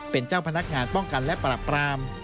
เป็นเจ้าพนักงานป้องกันและปรับปราม